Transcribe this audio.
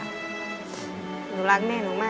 หนูรักแม่หนูมาก